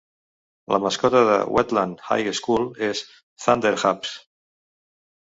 La mascota de Wheatland High School és Thunderhawks.